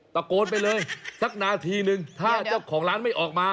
ตะโกนไปเลยสักนาทีนึงถ้าเจ้าของร้านไม่ออกมา